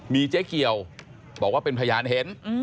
มีเจ๊เกียวบอกว่าเป็นพยานเห็น